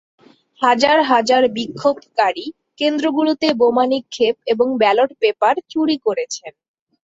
হাজার হাজার বিক্ষোভকারী কেন্দ্রগুলোতে বোমা নিক্ষেপ এবং ব্যালট পেপার চুরি করেছেন।